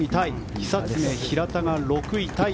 久常、平田が６位タイ。